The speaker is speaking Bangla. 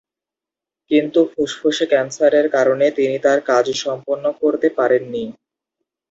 কিন্তু ফুসফুসে ক্যান্সারের কারণে তিনি তাঁর কাজ সম্পন্ন করতে পারেন নি।